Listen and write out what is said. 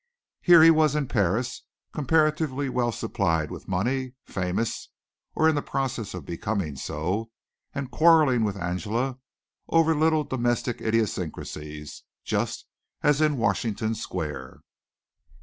Here he was in Paris, comparatively well supplied with money, famous, or in process of becoming so, and quarreling with Angela over little domestic idiosyncrasies, just as in Washington Square.